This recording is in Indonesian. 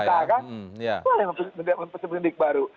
itu yang mempersepindik baru